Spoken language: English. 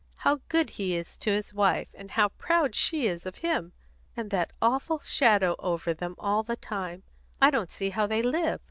How good he is to his wife; and how proud she is of him! And that awful shadow over them all the time! I don't see how they live!"